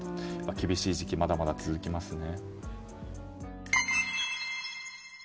厳しい時期がまだまだ続きますね。